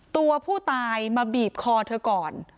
ตัวผู้ตายมาบีบคอเธอก่อน